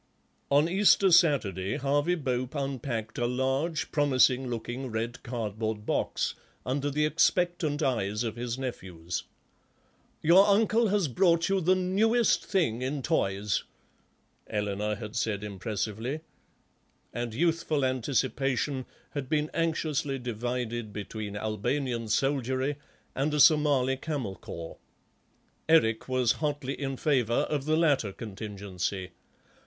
On Easter Saturday Harvey Bope unpacked a large, promising looking red cardboard box under the expectant eyes of his nephews. "Your uncle has brought you the newest thing in toys," Eleanor had said impressively, and youthful anticipation had been anxiously divided between Albanian soldiery and a Somali camel corps. Eric was hotly in favour of the latter contingency.